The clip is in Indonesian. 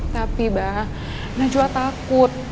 tapi bah najwa takut